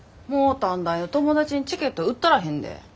もう短大の友達にチケット売ったらへんで。